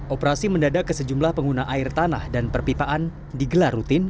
operasi mendadak ke sejumlah pengguna air tanah dan perpipaan digelar rutin